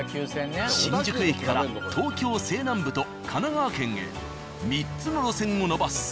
新宿駅から東京西南部と神奈川県へ３つの路線を延ばす。